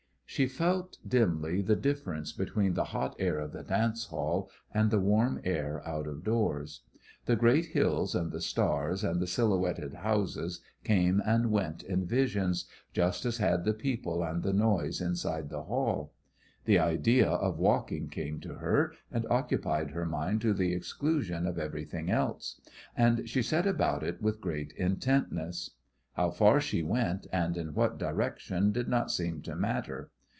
She felt dimly the difference between the hot air of the dance hall and the warm air out of doors. The great hills and the stars and the silhouetted houses came and went in visions, just as had the people and the noise inside the hall. The idea of walking came to her, and occupied her mind to the exclusion of everything else, and she set about it with great intentness. How far she went and in what direction did not seem to matter.